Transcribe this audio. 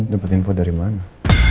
dapat info dari mana